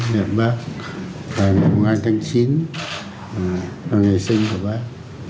tưởng nhận bác vào ngày hai tháng chín là ngày sinh của bác